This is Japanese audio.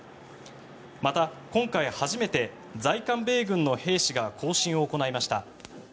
また、今回初めて在韓米軍の兵士が行進を行いました。